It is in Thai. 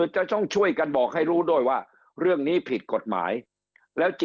จะต้องช่วยกันบอกให้รู้ด้วยว่าเรื่องนี้ผิดกฎหมายแล้ว